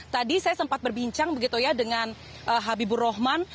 tadi saya sempat berbincang dengan habibur rohman